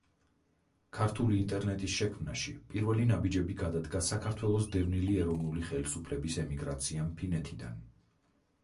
ქართული ინტერნეტის შექმნაში პირველი ნაბიჯები გადადგა საქართველოს დევნილი ეროვნული ხელისუფლების ემიგრაციამ ფინეთიდან.